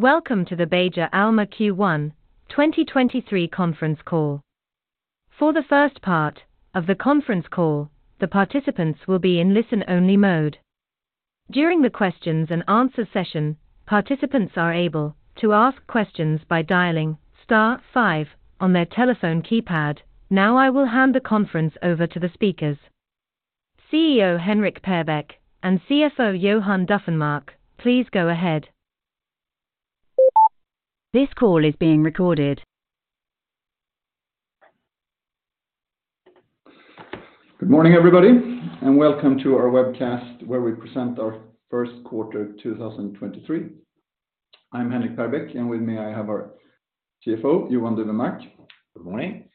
Welcome to the Beijer Alma Q1 2023 Conference Call. For the First Part of the Conference Call, the participants will be in listen-only mode. During the questions and answer session, participants are able to ask questions by dialing star five on their telephone keypad. Now I will hand the conference over to the speakers. CEO Henrik Perbeck and CFO Johan Dufvenmark, please go ahead. This call is being recorded. Good morning, everybody. Welcome to our webcast, where we present our first quarter 2023. I'm Henrik Perbeck. With me, I have our CFO, Johan Dufvenmark. Good morning.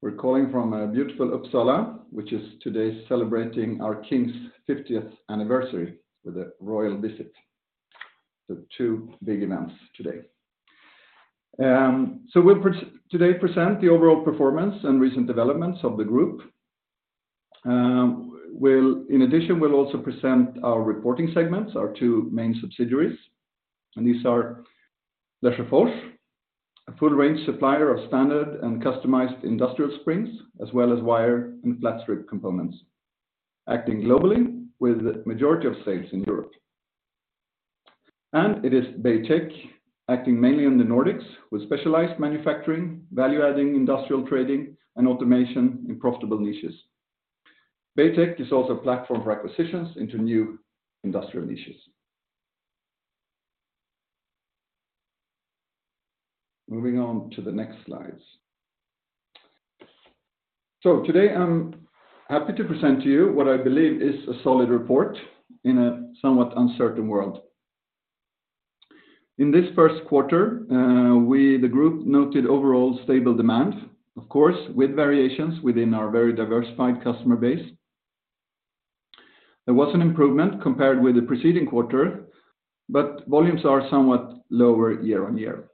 We're calling from a beautiful Uppsala, which is today celebrating our king's 50th anniversary with a royal visit. Two big events today. Today present the overall performance and recent developments of the group. In addition, we'll also present our reporting segments, our two main subsidiaries. These are Lesjöfors, a full range supplier of standard and customized industrial springs, as well as wire and flat strip components, acting globally with the majority of sales in Europe. It is Beijer Tech acting mainly in the Nordics with specialized manufacturing, value-adding industrial trading, and automation in profitable niches. Beijer Tech is also a platform for acquisitions into new industrial niches. Moving on to the next slides. Today I'm happy to present to you what I believe is a solid report in a somewhat uncertain world. In this first quarter, we, the group noted overall stable demand, of course, with variations within our very diversified customer base. There was an improvement compared with the preceding quarter, volumes are somewhat lower year-on-year.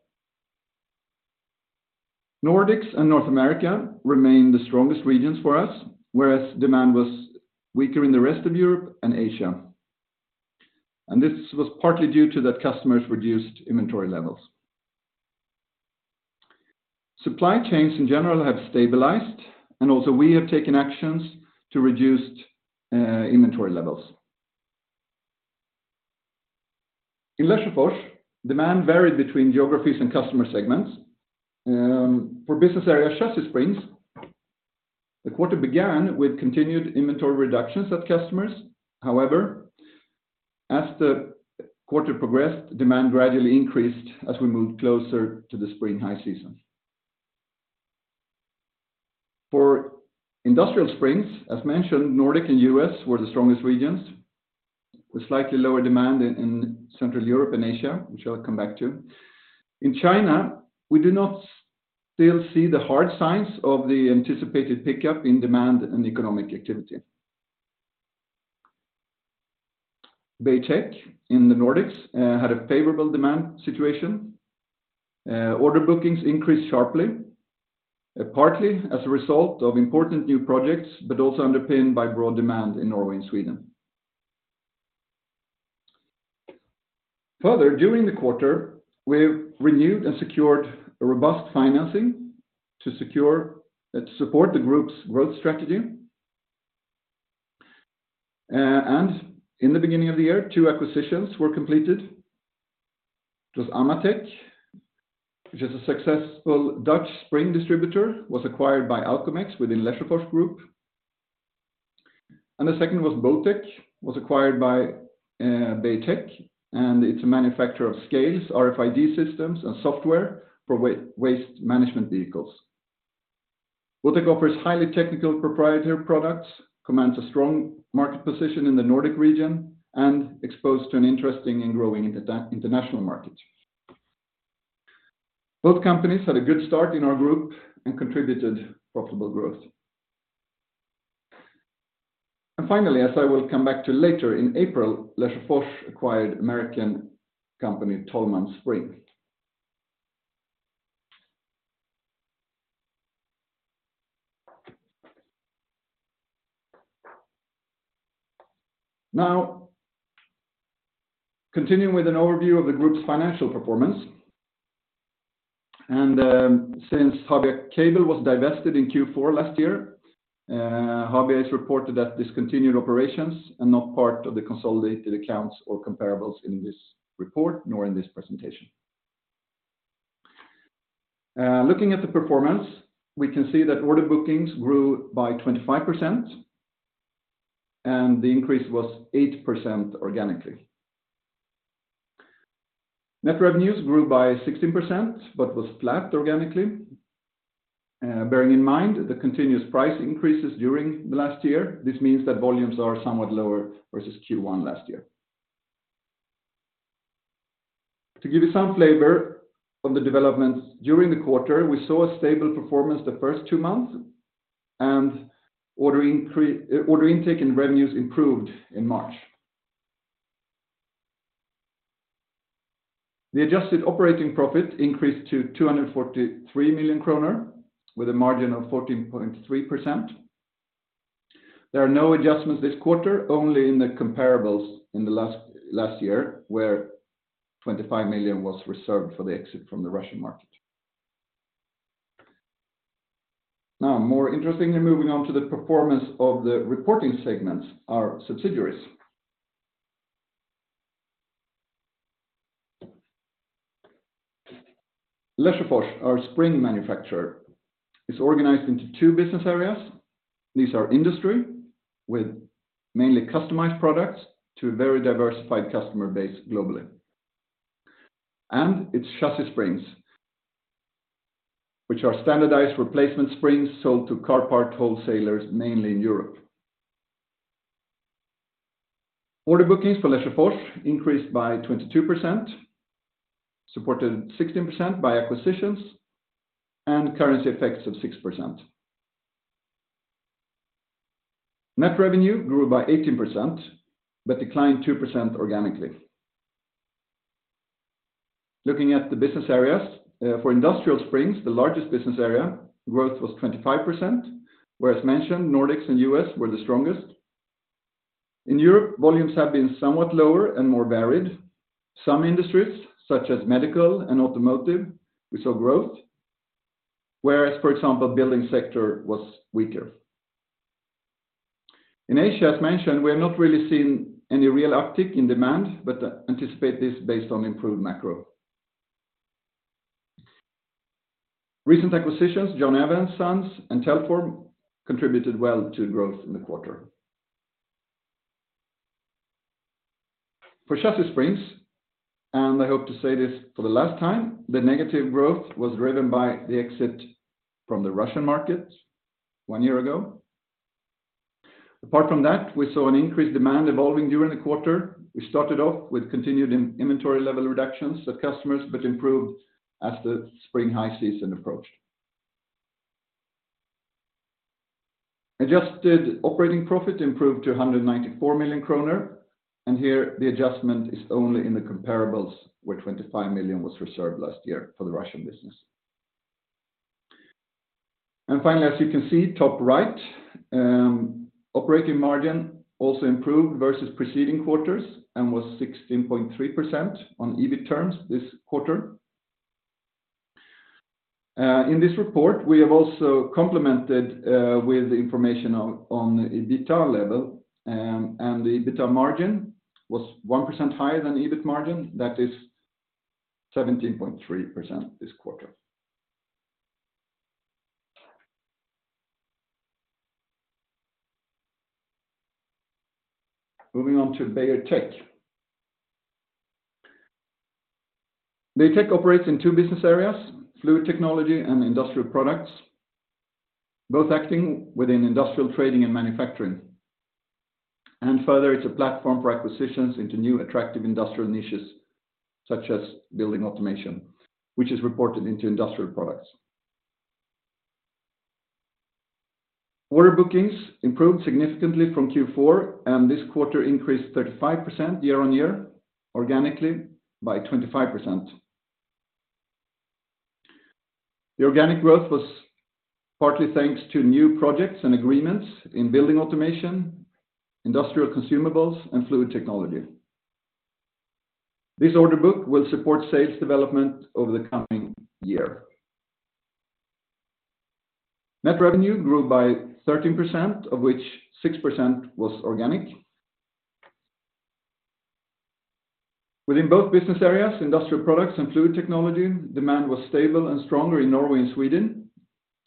Nordics and North America remain the strongest regions for us, whereas demand was weaker in the rest of Europe and Asia. This was partly due to that customers reduced inventory levels. Supply chains in general have stabilized, also we have taken actions to reduce inventory levels. In Lesjöfors, demand varied between geographies and customer segments. For business area Chassis Springs, the quarter began with continued inventory reductions of customers. However, as the quarter progressed, demand gradually increased as we moved closer to the spring high season. For industrial springs, as mentioned, Nordic and U.S. were the strongest regions, with slightly lower demand in Central Europe and Asia, which I'll come back to. In China, we do not still see the hard signs of the anticipated pickup in demand and economic activity. Beijer Tech in the Nordics had a favorable demand situation. Order bookings increased sharply, partly as a result of important new projects, also underpinned by broad demand in Norway and Sweden. Further, during the quarter, we've renewed and secured a robust financing to secure and support the group's growth strategy. In the beginning of the year, two acquisitions were completed. Amatec, which is a successful Dutch spring distributor, was acquired by Alcomex within Lesjöfors Group. The second was Botek was acquired by Beijer Tech, and it's a manufacturer of scales, RFID systems, and software for waste management vehicles. Botek offers highly technical proprietary products, commands a strong market position in the Nordic region, and exposed to an interesting and growing international market. Both companies had a good start in our group and contributed profitable growth. Finally, as I will come back to later, in April, Lesjöfors acquired American company Tollman Spring. Continuing with an overview of the group's financial performance. Since Habia Cable was divested in Q4 last year, Habia is reported that discontinued operations are not part of the consolidated accounts or comparables in this report, nor in this presentation. Looking at the performance, we can see that order bookings grew by 25%, and the increase was 8% organically. Net revenues grew by 16% but was flat organically. Bearing in mind the continuous price increases during the last year, this means that volumes are somewhat lower versus Q1 last year. To give you some flavor on the developments during the quarter, we saw a stable performance the first two months and order intake and revenues improved in March. The adjusted operating profit increased to 243 million kronor with a margin of 14.3%. There are no adjustments this quarter, only in the comparables in the last year where 25 million was reserved for the exit from the Russian market. More interestingly, moving on to the performance of the reporting segments, our subsidiaries. Lesjöfors, our spring manufacturer, is organized into two business areas. These are industry, with mainly customized products to a very diversified customer base globally, and its Chassis Springs, which are standardized replacement springs sold to car part wholesalers, mainly in Europe. Order bookings for Lesjöfors increased by 22%, supported 16% by acquisitions and currency effects of 6%. Net revenue grew by 18%, declined 2% organically. Looking at the business areas, for industrial springs, the largest business area growth was 25%, whereas mentioned Nordics and U.S. were the strongest. In Europe, volumes have been somewhat lower and more varied. Some industries, such as medical and automotive, we saw growth, whereas, for example, building sector was weaker. In Asia, as mentioned, we have not really seen any real uptick in demand, but anticipate this based on improved macro. Recent acquisitions, John Evans' Sons and Telform contributed well to growth in the quarter. For Chassis Springs, and I hope to say this for the last time, the negative growth was driven by the exit from the Russian market one year ago. Apart from that, we saw an increased demand evolving during the quarter. We started off with continued in-inventory level reductions of customers, but improved as the spring high season approached. Adjusted operating profit improved to 194 million kronor. Here the adjustment is only in the comparables, where 25 million was reserved last year for the Russian business. Finally, as you can see, top right, operating margin also improved versus preceding quarters and was 16.3% on EBIT terms this quarter. In this report, we have also complemented with the information on EBITDA level, and the EBITDA margin was 1% higher than the EBIT margin. That is 17.3% this quarter. Moving on to Beijer Tech. Beijer Tech operates in two business areas, fluid technology and industrial products, both acting within industrial trading and manufacturing. Further, it's a platform for acquisitions into new attractive industrial niches such as building automation, which is reported into industrial products. Order bookings improved significantly from Q4. This quarter increased 35% year-on-year, organically by 25%. The organic growth was partly thanks to new projects and agreements in building automation, industrial consumables, and fluid technology. This order book will support sales development over the coming year. Net revenue grew by 13%, of which 6% was organic. Within both business areas, industrial products and fluid technology, demand was stable and stronger in Norway and Sweden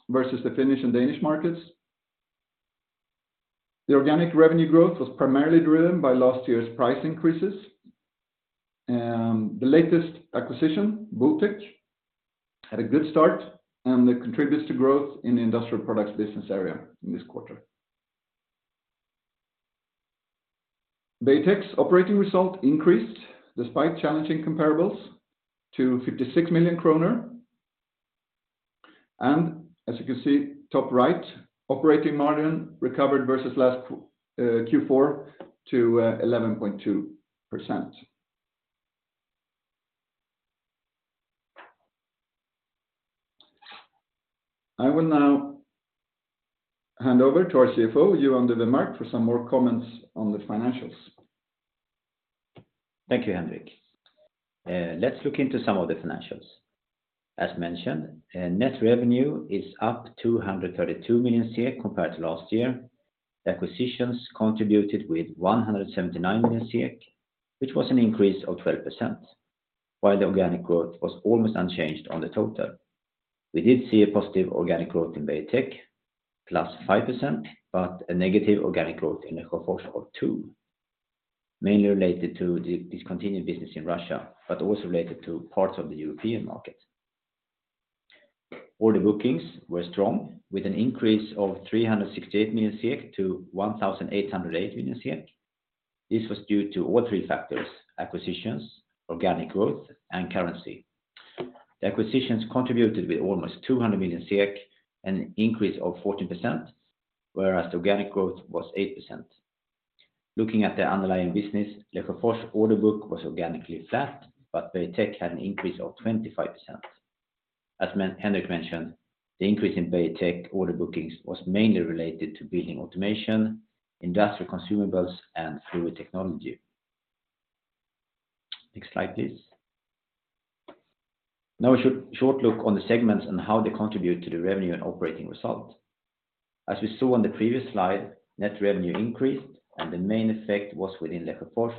versus the Finnish and Danish markets. The organic revenue growth was primarily driven by last year's price increases. The latest acquisition, Botek, had a good start, and it contributes to growth in the industrial products business area in this quarter. Beijer Tech's operating result increased despite challenging comparables to SEK 56 million. As you can see, top right, operating margin recovered versus last Q4 to 11.2%. I will now hand over to our CFO, Johan Dufvenmark for some more comments on the financials. Thank you, Henrik. Let's look into some of the financials. As mentioned, net revenue is up to 132 million compared to last year. Acquisitions contributed with 179 million, which was an increase of 12%, while the organic growth was almost unchanged on the total. We did see a positive organic growth in Beijer Tech +5%, but a negative organic growth in Lesjöfors of -2%, mainly related to the discontinued business in Russia, but also related to parts of the European market. Order bookings were strong with an increase of 368 million to 1,808 million. This was due to all three factors, acquisitions, organic growth, and currency. The acquisitions contributed with almost 200 million, an increase of 14%, whereas the organic growth was 8%. Looking at the underlying business, Lesjöfors order book was organically flat, but Beijer Tech had an increase of 25%. As Henrik mentioned, the increase in Beijer Tech order bookings was mainly related to building automation, industrial consumables, and fluid technology. Next slide, please. Now a short look on the segments and how they contribute to the revenue and operating results. As we saw on the previous slide, net revenue increased, and the main effect was within Lesjöfors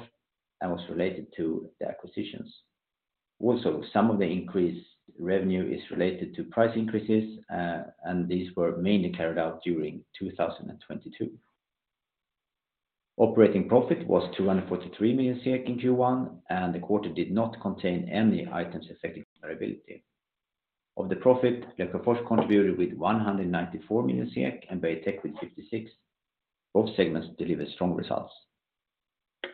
and was related to the acquisitions. Some of the increased revenue is related to price increases, and these were mainly carried out during 2022. Operating profit was 243 million in Q1, and the quarter did not contain any items affecting variability. Of the profit, Lesjöfors contributed with 194 million and Beijer Tech with 56 million. Both segments delivered strong results.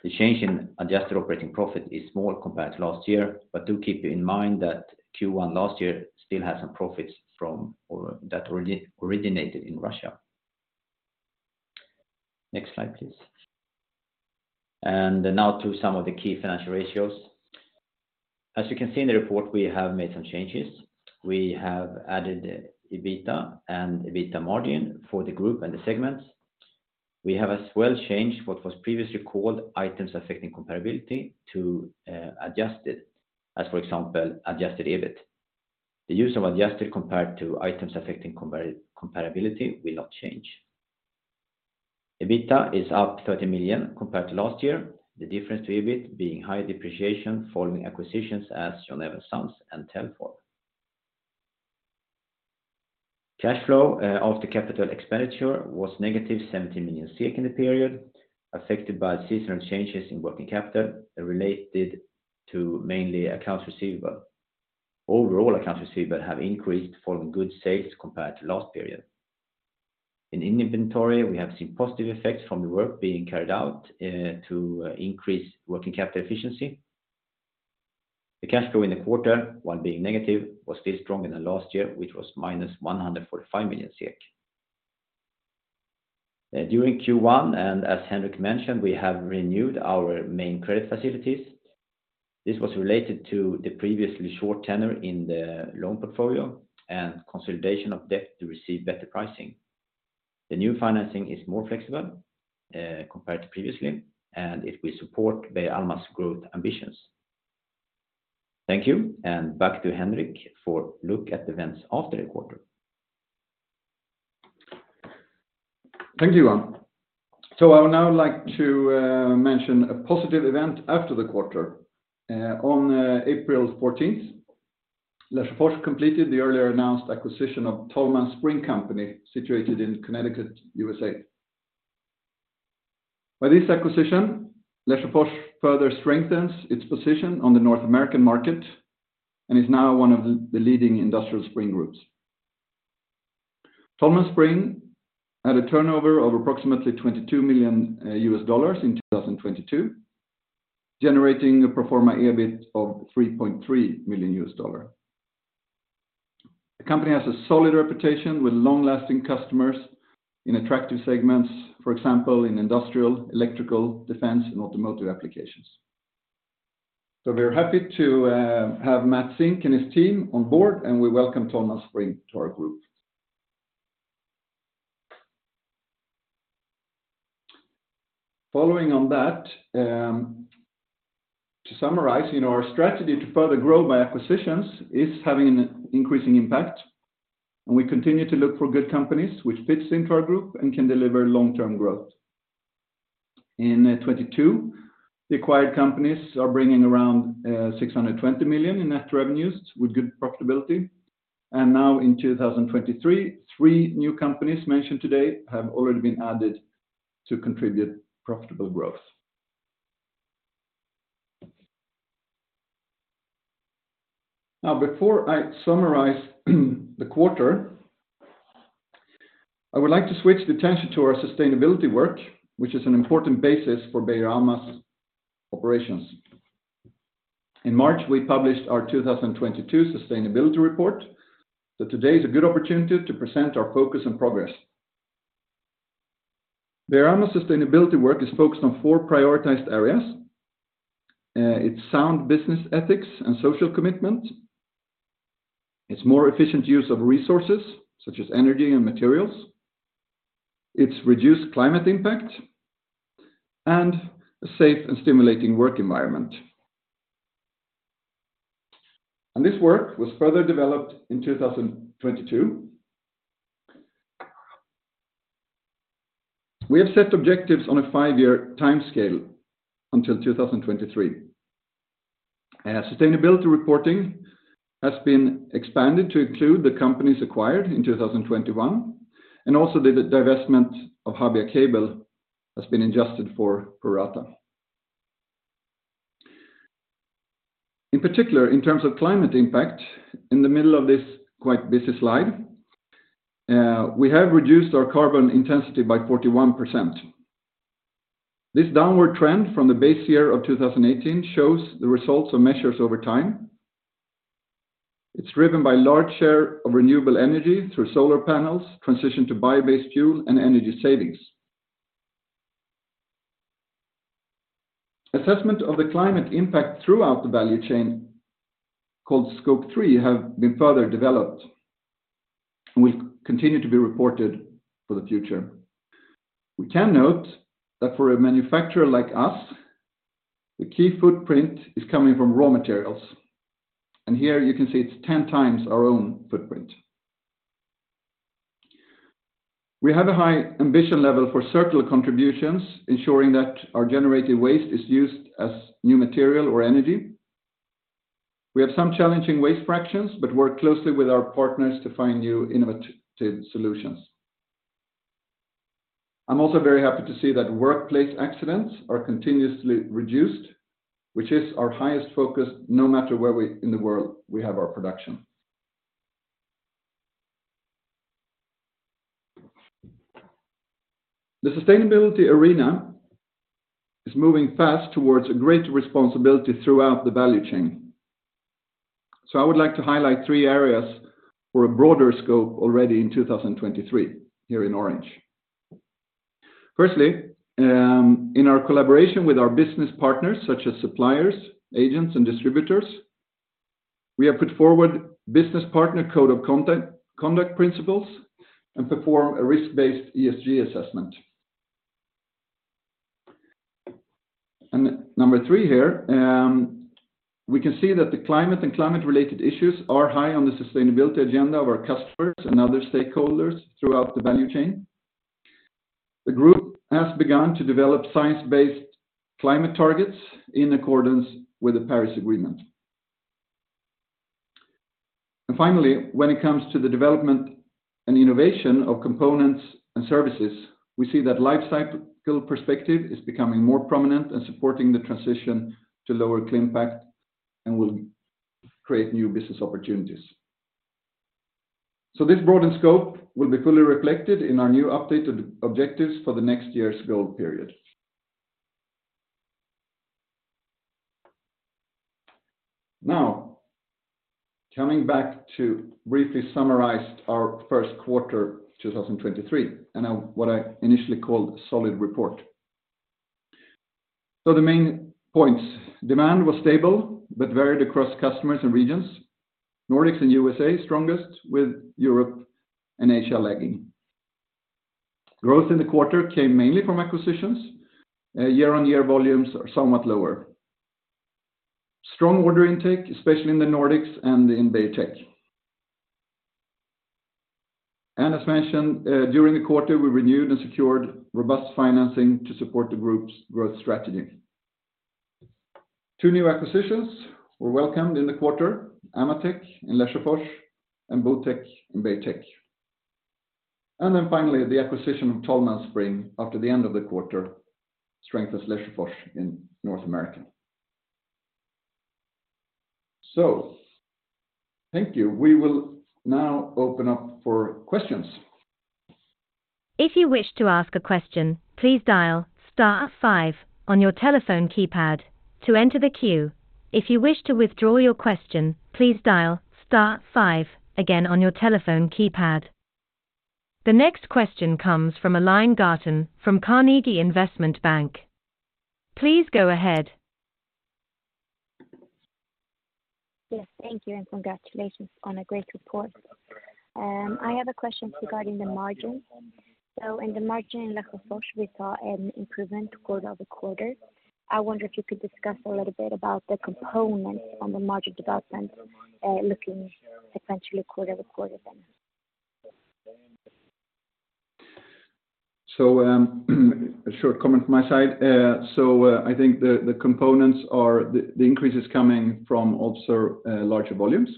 The change in adjusted operating profit is small compared to last year, but do keep in mind that Q1 last year still had some profits from or that originated in Russia. Next slide, please. Now to some of the key financial ratios. As you can see in the report, we have made some changes. We have added EBITDA and EBITDA margin for the group and the segments. We have as well changed what was previously called items affecting comparability to adjusted, as for example, adjusted EBIT. The use of adjusted compared to items affecting comparability will not change. EBITDA is up 30 million compared to last year, the difference to EBIT being high depreciation following acquisitions as John Evans' Sons and Tollman. Cash flow after capital expenditure was negative 70 million in the period, affected by seasonal changes in working capital related to mainly accounts receivable. Overall, accounts receivable have increased following good sales compared to last period. In inventory, we have seen positive effects from the work being carried out to increase working capital efficiency. The cash flow in the quarter, while being negative, was still stronger than last year, which was minus 145 million. During Q1, as Henrik mentioned, we have renewed our main credit facilities. This was related to the previously short tenor in the loan portfolio and consolidation of debt to receive better pricing. The new financing is more flexible compared to previously, it will support Beijer Alma's growth ambitions. Thank you, back to Henrik for a look at events after the quarter. Thank you. I would now like to mention a positive event after the quarter. On April 14th, Lesjöfors completed the earlier announced acquisition of Tollman Spring Company situated in Connecticut, USA. By this acquisition, Lesjöfors further strengthens its position on the North American market and is now one of the leading industrial spring groups. Tollman Spring had a turnover of approximately $22 million in 2022, generating a pro forma EBIT of $3.3 million. The company has a solid reputation with long-lasting customers in attractive segments, for example, in industrial, electrical, defense, and automotive applications. We are happy to have Matt Zink and his team on board, and we welcome Tollman Spring to our group. Following on that, to summarize, you know, our strategy to further grow by acquisitions is having an increasing impact. We continue to look for good companies which fits into our group and can deliver long-term growth. In 2022, the acquired companies are bringing around 620 million in net revenues with good profitability. Now in 2023, three new companies mentioned today have already been added to contribute profitable growth. Now, before I summarize the quarter, I would like to switch the attention to our sustainability work, which is an important basis for Beijer Alma's operations. In March, we published our 2022 sustainability report. Today is a good opportunity to present our focus and progress. Beijer Alma's sustainability work is focused on four prioritized areas. It's sound business ethics and social commitment. It's more efficient use of resources, such as energy and materials. It's reduced climate impact and a safe and stimulating work environment. This work was further developed in 2022. We have set objectives on a 5-year timescale until 2023. Sustainability reporting has been expanded to include the companies acquired in 2021, and also the divestment of Habia Cable has been adjusted for, pro rata. In particular, in terms of climate impact, in the middle of this quite busy slide, we have reduced our carbon intensity by 41%. This downward trend from the base year of 2018 shows the results of measures over time. It's driven by large share of renewable energy through solar panels, transition to bio-based fuel, and energy savings. Assessment of the climate impact throughout the value chain, called Scope 3, have been further developed. Will continue to be reported for the future. We can note that for a manufacturer like us, the key footprint is coming from raw materials. Here you can see it's 10 times our own footprint. We have a high ambition level for circular contributions, ensuring that our generated waste is used as new material or energy. We have some challenging waste fractions. Work closely with our partners to find new innovative solutions. I'm also very happy to see that workplace accidents are continuously reduced, which is our highest focus, no matter where in the world we have our production. The sustainability arena is moving fast towards a greater responsibility throughout the value chain. I would like to highlight three areas for a broader scope already in 2023 here in orange. Firstly, in our collaboration with our business partners such as suppliers, agents, and distributors, we have put forward business partner code of conduct principles and perform a risk-based ESG assessment. Number 3 here, we can see that the climate and climate related issues are high on the sustainability agenda of our customers and other stakeholders throughout the value chain. The group has begun to develop science-based climate targets in accordance with the Paris Agreement. Finally, when it comes to the development and innovation of components and services, we see that life cycle perspective is becoming more prominent and supporting the transition to lower clean pact and will create new business opportunities. This broadened scope will be fully reflected in our new updated objectives for the next year's goal period. Coming back to briefly summarize our first quarter 2023, and now what I initially called solid report. The main points, demand was stable but varied across customers and regions. Nordics and USA strongest with Europe and Asia lagging. Growth in the quarter came mainly from acquisitions. Year-on-year volumes are somewhat lower. Strong order intake, especially in the Nordics and in Beijer Tech. As mentioned, during the quarter, we renewed and secured robust financing to support the group's growth strategy. Two new acquisitions were welcomed in the quarter, Amatec in Lesjöfors and Botek in Beijer Tech. Finally, the acquisition of Tollman Spring after the end of the quarter strengthens Lesjöfors in North America. Thank you. We will now open up for questions. If you wish to ask a question, please dial star five on your telephone keypad to enter the queue. If you wish to withdraw your question, please dial star five again on your telephone keypad. The next question comes from Aline Garten from Carnegie Investment Bank. Please go ahead. Thank you, and congratulations on a great report. I have a question regarding the margin. In the margin in Lesjöfors, we saw an improvement quarter-over-quarter. I wonder if you could discuss a little bit about the components on the margin development, looking essentially quarter-over-quarter then. A short comment from my side. I think the components are the increases coming from also larger volumes.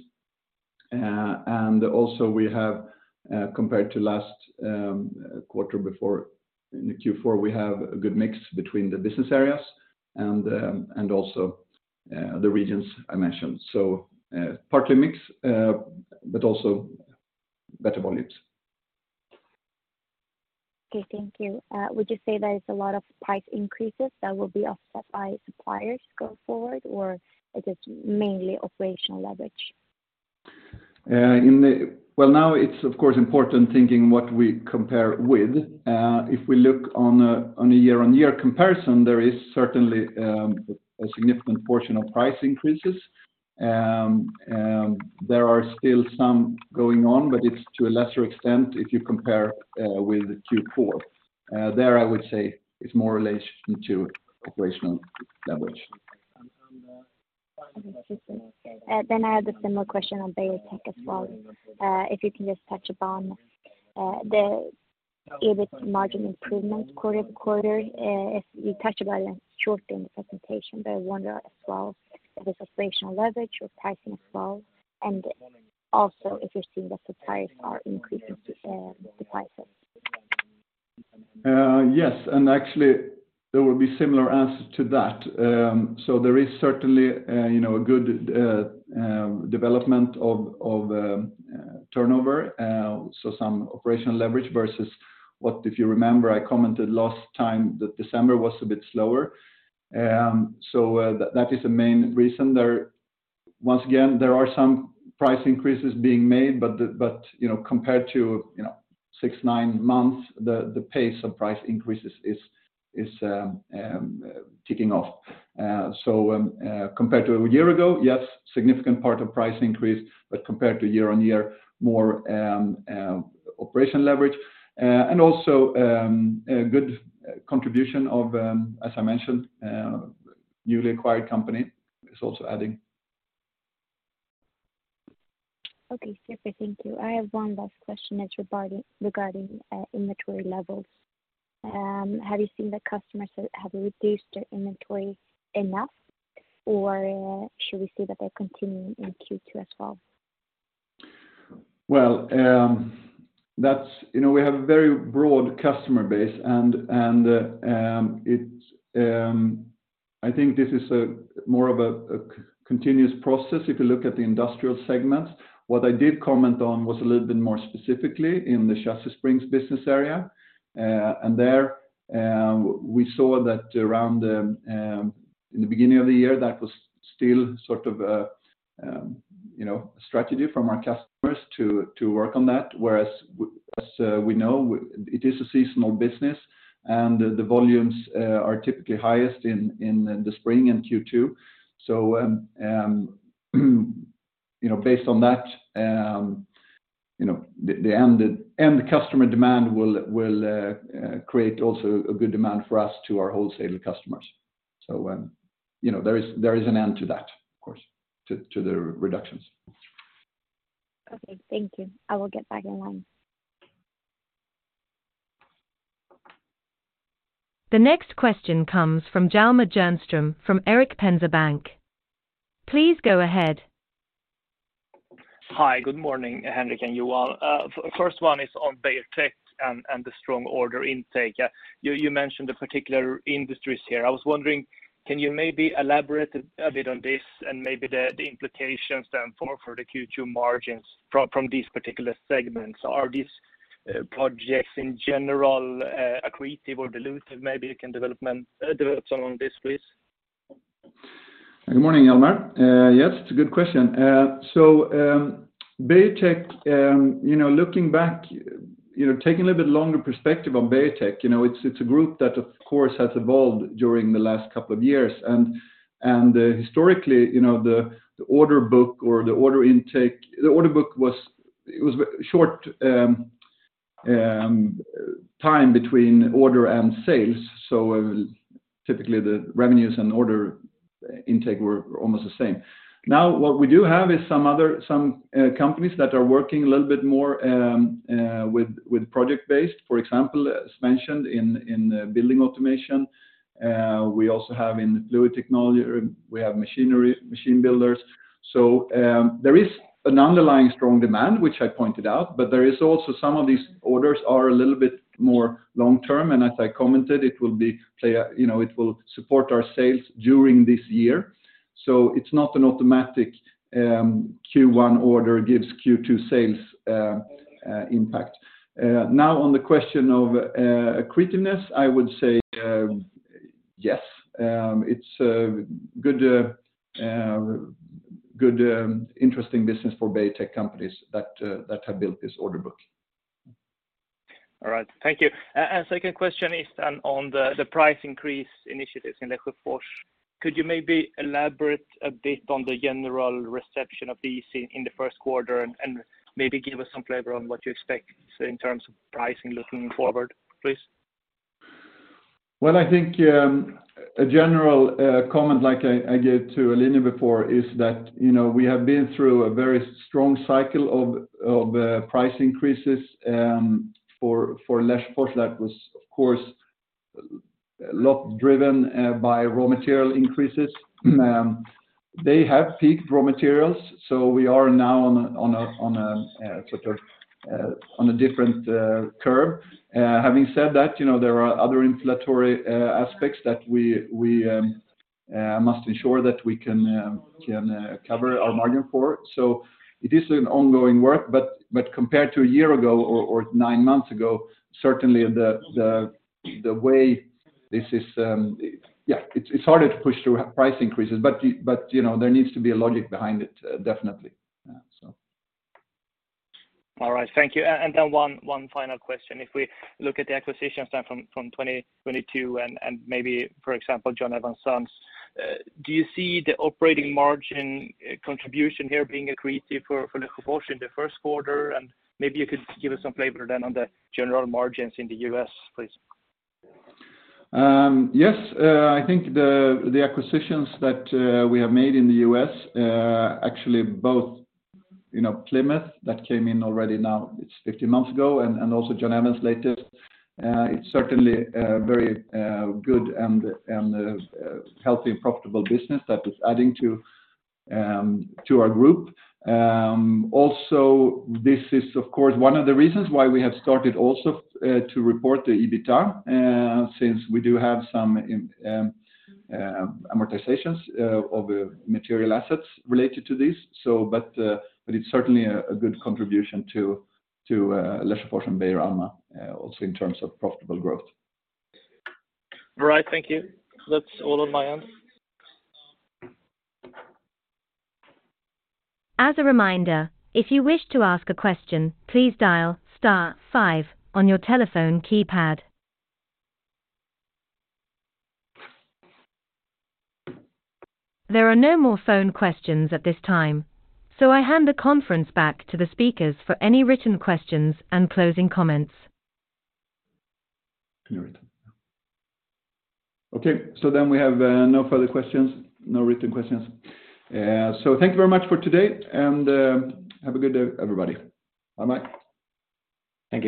We have, compared to last quarter before in the Q4, a good mix between the business areas and also the regions I mentioned. Partly mix, but also better volumes. Okay, thank you. Would you say there is a lot of price increases that will be offset by suppliers going forward, or it is mainly operational leverage? Well, now it's of course important thinking what we compare with. If we look on a year-on-year comparison, there is certainly a significant portion of price increases. There are still some going on, but it's to a lesser extent if you compare with Q4. There I would say it's more relation to operational leverage. Okay, thank you. I had a similar question on Beijer Tech as well. If you can just touch upon the EBIT margin improvement quarter-over-quarter. If you touch upon it shortly in the presentation, but I wonder as well if it's operational leverage or pricing as well, and also if you're seeing that suppliers are increasing the prices? Yes, actually there will be similar answers to that. There is certainly, you know, a good development of turnover, so some operational leverage versus what, if you remember, I commented last time that December was a bit slower. That is the main reason there. Once again, there are some price increases being made, but, you know, compared to, you know, six, nine months, the pace of price increases is ticking off. Compared to a year ago, yes, significant part of price increase, but compared to year-on-year, more operation leverage. Also, a good contribution of, as I mentioned, newly acquired company is also adding. Okay, super. Thank you. I have one last question that's regarding inventory levels. Have you seen the customers have reduced their inventory enough, or should we see that they're continuing in Q2 as well? Well, that's... You know, we have a very broad customer base and, it's, I think this is a more of a continuous process if you look at the industrial segments. What I did comment on was a little bit more specifically in the Chassis Springs business area. And there, we saw that around, in the beginning of the year, that was still sort of a, you know, a strategy from our customers to work on that. Whereas as, we know, it is a seasonal business, and the volumes, are typically highest in the spring in Q2. You know, based on that, you know, the end customer demand will create also a good demand for us to our wholesale customers. You know, there is an end to that, of course, to the reductions. Okay, thank you. I will get back in line. The next question comes from Hjalmar Jernström from Erik Penser Bank. Please go ahead. Hi. Good morning, Henrik and Johan. First one is on Beijer Tech and the strong order intake. You mentioned the particular industries here. I was wondering, can you maybe elaborate a bit on this and maybe the implications then for the Q2 margins from these particular segments? Are these projects in general accretive or dilutive? Maybe you can develop some on this, please. Good morning, Hjalmar. Yes, it's a good question. Beijer Tech, you know, looking back, you know, taking a little bit longer perspective on Beijer Tech, you know, it's a group that, of course, has evolved during the last couple of years. Historically, you know, the order book or the order intake, the order book was short time between order and sales, so typically the revenues and order intake were almost the same. What we do have is some other companies that are working a little bit more with project-based. For example, as mentioned in building automation, we also have in fluid technology, or we have machinery, machine builders. There is an underlying strong demand, which I pointed out, but there is also some of these orders are a little bit more long-term, and as I commented, you know, it will support our sales during this year. It's not an automatic Q1 order gives Q2 sales impact. Now on the question of accretiveness, I would say, yes, it's a good interesting business for Beijer Tech companies that have built this order book. All right. Thank you. Second question is then on the price increase initiatives in Lesjöfors. Could you maybe elaborate a bit on the general reception of these in the first quarter, and maybe give us some flavor on what you expect in terms of pricing looking forward, please? Well, I think a general comment like I gave to Elena before is that, you know, we have been through a very strong cycle of price increases for Lesjöfors. That was, of course, lot driven by raw material increases. They have peaked raw materials, we are now on a sort of different curve. Having said that, you know, there are other inflationary aspects that we must ensure that we can cover our margin for. It is an ongoing work, but compared to a year ago or 9 months ago, certainly the way this is. Yeah, it's harder to push through price increases, but you know, there needs to be a logic behind it, definitely. All right. Thank you. Then one final question. If we look at the acquisitions then from 2022 and maybe, for example, John Evans' Sons, do you see the operating margin contribution here being accretive for Lesjöfors in the first quarter? Maybe you could give us some flavor then on the general margins in the U.S., please. Yes, I think the acquisitions that we have made in the U.S., actually both, you know, Plymouth that came in already now, it's 15 months ago, and also John Evans' Sons later, it's certainly very good and healthy and profitable business that is adding to our group. Also this is of course one of the reasons why we have started also to report the EBITDA, since we do have some amortizations of material assets related to this. It's certainly a good contribution to Lesjöfors and Beijer Alma, also in terms of profitable growth. All right. Thank you. That's all on my end. As a reminder, if you wish to ask a question, please dial star five on your telephone keypad. There are no more phone questions at this time. I hand the conference back to the speakers for any written questions and closing comments. Clear it. Okay. We have no further questions, no written questions. Thank you very much for today, and have a good day, everybody. Bye-bye.